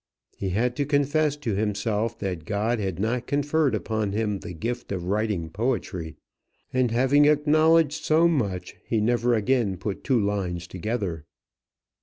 He had to confess to himself that God had not conferred upon him the gift of writing poetry; and having acknowledged so much, he never again put two lines together.